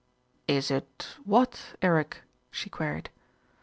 "Is it what, Eric?" she queried.